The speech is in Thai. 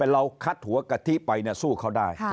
เราคัดหัวกะทิไปสู้เขาได้